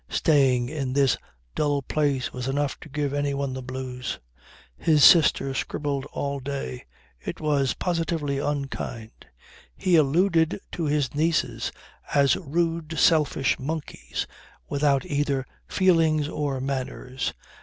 Staying in this dull place was enough to give anyone the blues. His sister scribbled all day. It was positively unkind. He alluded to his nieces as rude, selfish monkeys, without either feelings or manners.